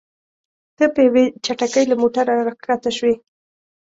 ته په یوې چټکۍ له موټره راښکته شوې.